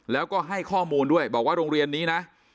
แล้วก็ให้ข้อมูลด้วยบอกว่าโรงเรียนนี้นะ